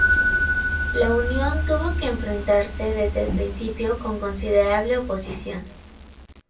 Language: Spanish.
La unión tuvo que enfrentarse desde el principio con considerable oposición.